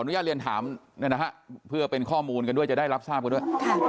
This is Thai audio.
ญาตเรียนถามเพื่อเป็นข้อมูลกันด้วยจะได้รับทราบกันด้วย